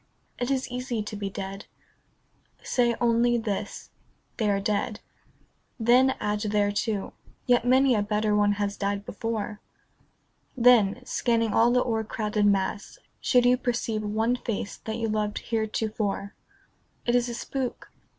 It is easy to be dead. Say only this, " They are dead." Then add thereto, " Yet many a better one has died before." Then, scanning all the o'ercrowded mass, should you Perceive one face that you loved heretofore, It is a spook.